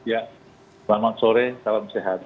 ya selamat sore salam sehat